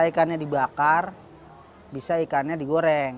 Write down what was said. ikannya dibakar bisa ikannya digoreng